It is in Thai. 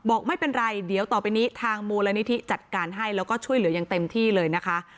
บอกไม่เป็นไรเดี๋ยวต่อไปนี้ทางมูลนิธิจัดการให้แล้วก็ช่วยเหลืออย่างเต็มที่เลยนะคะ